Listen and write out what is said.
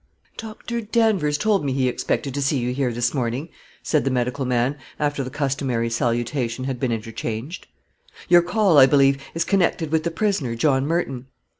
"Dr. Danvers told me he expected to see you here this morning," said the medical man, after the customary salutation had been interchanged. "Your call, I believe, is connected with the prisoner, John Merton?"